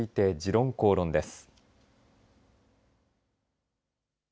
「時論公論」です。